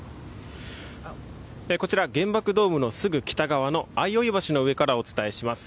こちら原爆ドームのすぐ北側の相生橋の上からお伝えします。